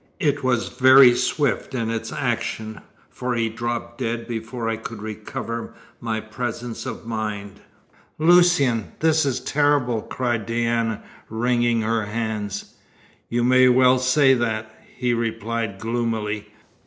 It was very swift in its action, for he dropped dead before I could recover my presence of mind." "Lucian! this is terrible!" cried Diana, wringing her hands. "You may well say that," he replied gloomily.